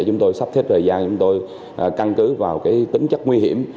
chúng tôi sắp xếp thời gian chúng tôi căn cứ vào tính chất nguy hiểm